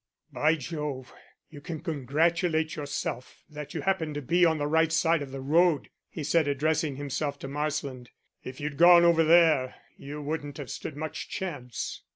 "By Jove, you can congratulate yourself that you happened to be on the right side of the road," he said, addressing himself to Marsland. "If you'd gone over there, you wouldn't have stood much chance."